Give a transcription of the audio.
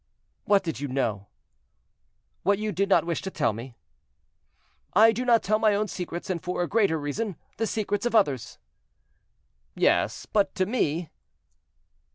"What did you know?" "What you did not wish to tell me." "I do not tell my own secrets, and, for a greater reason, the secrets of others." "Yes, but to me."